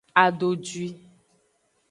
Adodwi.